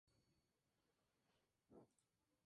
Esta victoria le valió un triunfo.